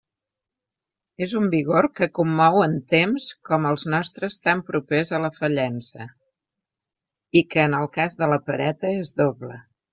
És un vigor que commou en temps com els nostres tan propers a la fallença, i que en el cas de la pereta és doble.